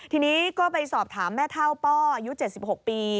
ทีนี้ก็ไปสอบถามแม่เท่าป้ออายุ๗๖ปี